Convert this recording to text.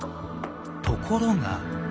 ところが。